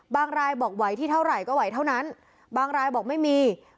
รายบอกไหวที่เท่าไหร่ก็ไหวเท่านั้นบางรายบอกไม่มี